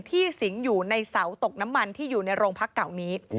สิงอยู่ในเสาตกน้ำมันที่อยู่ในโรงพักเก่านี้